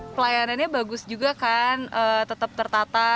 pelayanannya bagus juga kan tetap tertata